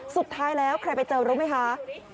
สุดท้ายแล้วใครไปเจอรู้ไหมคะ